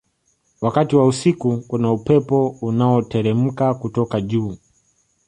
wakati wa usiku kuna upepo unaoteremka kutoka juu